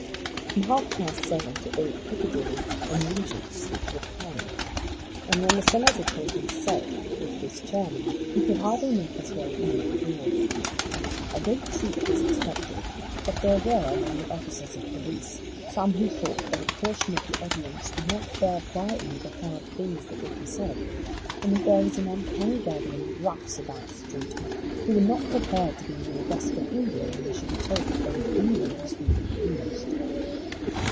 From half past seven to eight Piccadilly and Regent Street were crammed, and when the Senator came himself with his chairman he could hardly make his way in at the doors. A great treat was expected, but there was among the officers of police some who thought that a portion of the audience would not bear quietly the hard things that would be said, and that there was an uncanny gathering of roughs about the street, who were not prepared to be on their best behaviour when they should be told that old England was being abused.